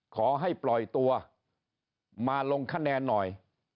ขอให้ปล่อยตัวมาลงคะแนนหน่อย